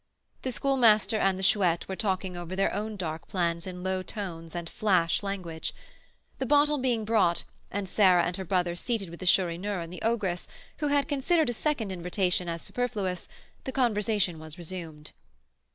The Schoolmaster and the Chouette were talking over their own dark plans in low tones and "flash" language. The bottle being brought, and Sarah and her brother seated with the Chourineur and the ogress, who had considered a second invitation as superfluous, the conversation was resumed.